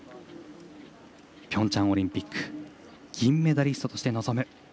ピョンチャンオリンピック銀メダリストとして臨む